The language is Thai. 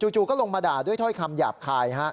จู่ก็ลงมาด่าด้วยถ้อยคำหยาบคาย